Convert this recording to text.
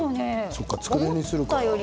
そっか、つくねにするから。